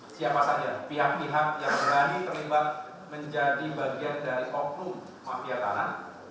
siapa saja pihak pihak yang berani terlibat menjadi bagian dari oknum mafia tanah